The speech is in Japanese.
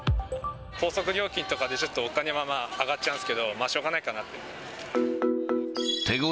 高速料金とかで、ちょっと、お金はまあ、上がっちゃうんですけど、しょうがないかなって。